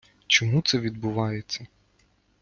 Чому це відбувається?